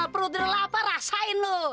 perutnya lapa rasain lu